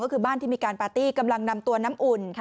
ก็คือบ้านที่มีการปาร์ตี้กำลังนำตัวน้ำอุ่น